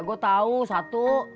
gue tahu satu